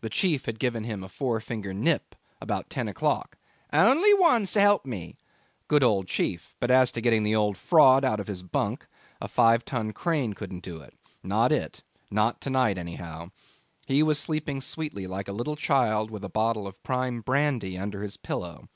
The chief had given him a four finger nip about ten o'clock 'only one, s'elp me!' good old chief; but as to getting the old fraud out of his bunk a five ton crane couldn't do it. Not it. Not to night anyhow. He was sleeping sweetly like a little child, with a bottle of prime brandy under his pillow.